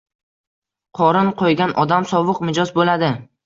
Qorin qo‘ygan odam sovuq mijoz bo‘ladi.